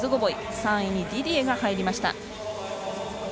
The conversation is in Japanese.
３位にディディエが入りました。